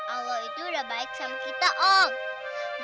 allah itu udah baik sama kita om